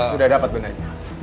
sudah dapat benarnya